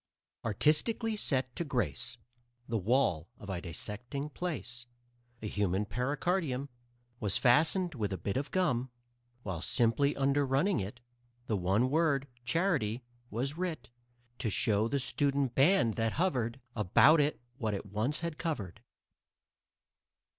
Artistically set to grace The wall of a dissecting place, A human pericardium Was fastened with a bit of gum, While, simply underrunning it, The one word, "Charity," was writ To show the student band that hovered About it what it once had covered.